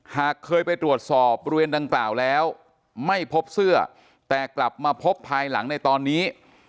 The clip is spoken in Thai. หากเคยไปตรวจสอบบริเวณดังกล่าวแล้วไม่พบเสื้อแต่กลับมาพบภายหลังในตอนนี้